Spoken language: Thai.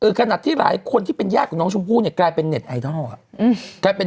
เนื่องจากในวันที่เกิดเหตุเนี่ยทางโรงพยาบาลเนี่ยได้รับแจ้งจากตำรวจ